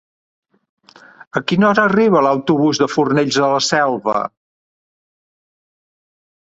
A quina hora arriba l'autobús de Fornells de la Selva?